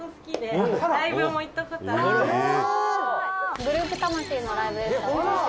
「グループ魂のライブですか？」